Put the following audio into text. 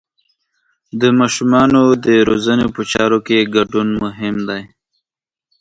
د ماشومانو د روزنې په چارو کې ګډون مهم دی.